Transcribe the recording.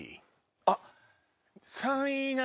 あっ。